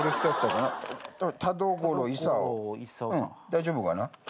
大丈夫かな？